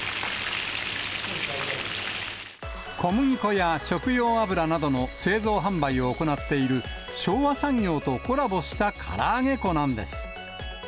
小麦粉や食用油などの製造・販売を行っている、昭和産業とコラボしたから揚げ粉なんです。